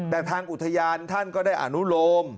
แต่ทางอุทยานท่านก็ได้อนุโลม